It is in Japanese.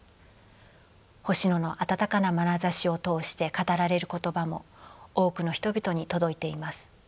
星野の温かなまなざしを通して語られる言葉も多くの人々に届いています。